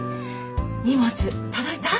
荷物届いた？